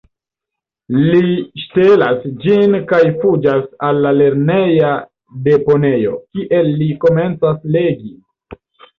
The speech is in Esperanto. Li ŝtelas ĝin kaj fuĝas al la lerneja deponejo, kie li komencas legi.